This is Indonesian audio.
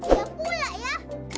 yang pula ya